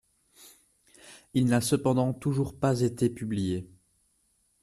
Il n’a cependant toujours pas été publié.